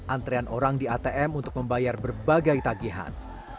antrean orang di atm untuk membayar berbagai tagihan